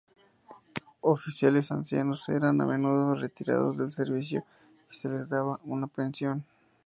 Oficiales ancianos eran a menudo retirados del servicio y se les daba una pensión.